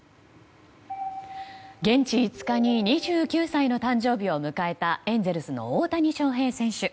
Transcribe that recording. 現地５日に２９歳の誕生日を迎えたエンゼルスの大谷翔平選手。